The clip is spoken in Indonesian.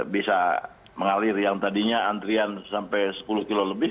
bisa mengalir yang tadinya antrian sampai sepuluh kilo lebih